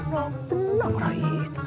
tenang tenang rai